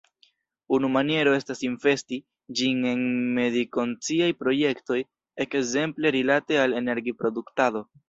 Unu maniero estas investi ĝin en medikonsciaj projektoj, ekzemple rilate al energiproduktado.